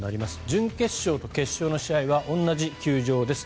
準決勝と決勝の試合は同じ球場です。